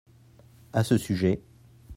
à ce sujet.